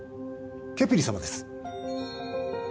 ケプリ様です。